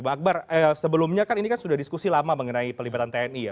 bang akbar sebelumnya kan ini kan sudah diskusi lama mengenai pelibatan tni ya